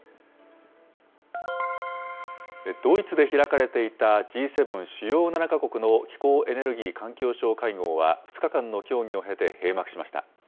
ドイツで開かれていた、Ｇ７・主要７か国の気候・エネルギー・環境相会合は２日間の協議を経て、閉幕しました。